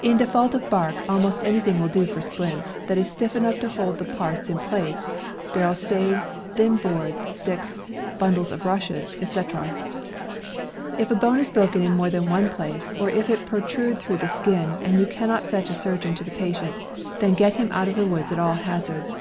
In default of bark, almost anything will do for splints that is stiff enough to hold the parts in place — barrel staves, thin boards, sticks, bundles of rushes, etc. If a bone is broken in more than one place, or if it protrude through the skin, and you cannot fetch a surgeon to the patient, then get him out of the woods at all hazards.